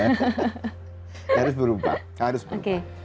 harus berubah harus berubah